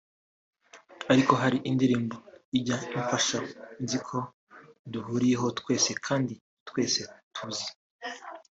ariko hari indirimbo ijya imfasha nzi ko duhuriyeho twese kandi twese tuzi